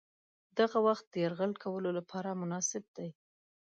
دغه وخت د یرغل کولو لپاره مناسب دی.